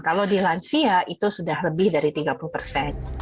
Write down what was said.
kalau di lansia itu sudah lebih dari tiga puluh persen